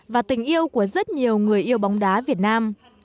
và tình yêu của rất nhiều người yêu bóng đá việt nam